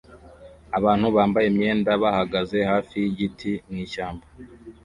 Abantu bambaye imyenda bahagaze hafi yigiti mwishyamba